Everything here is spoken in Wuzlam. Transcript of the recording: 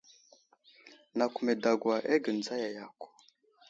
Nakw me dagwa aghe dzaya yakw.